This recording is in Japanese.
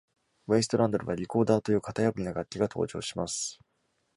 「ウェイストランド」では、リコーダーという型破りな楽器が登場します。